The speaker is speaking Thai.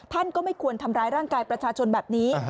ก็ไม่ควรทำร้ายร่างกายประชาชนแบบนี้